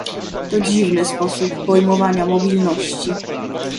To dziwny sposób pojmowania mobilności